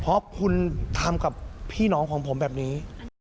เพราะคุณทำกับพี่น้องของผมแบบนี้